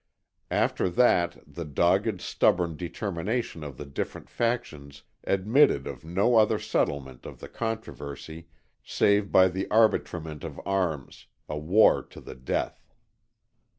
After that the dogged, stubborn determination of the different factions admitted of no other settlement of the controversy save by the arbitrament of arms, a war to the death.